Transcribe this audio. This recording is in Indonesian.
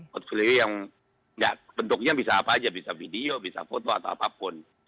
portfolio yang bentuknya bisa apa aja bisa video bisa foto atau apapun